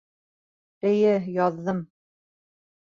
Эйе, яҙҙым!